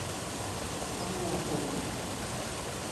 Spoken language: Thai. คมนาคม